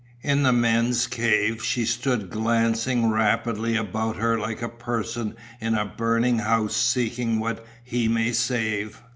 In the men's cave she stood glancing rapidly about her like a person in a burning house seeking what he may save.